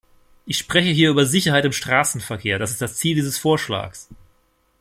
Ich spreche hier über Sicherheit im Straßenverkehr, das ist das Ziel dieses Vorschlags.